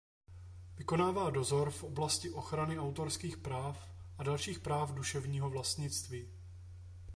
Vykonává dozor v oblasti ochrany autorských práv a dalších práv duševního vlastnictví.